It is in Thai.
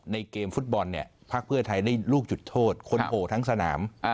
ในเกมฟุตบอลเนี่ยพักเพื่อไทยได้ลูกจุดโทษคนโผล่ทั้งสนาม